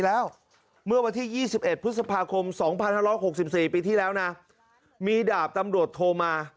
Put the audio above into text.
แล้วเมื่อวันที่๒๑พฤษภาคม๒๕๖๔ปีที่แล้วนะมีดาบตำรวจโทรมา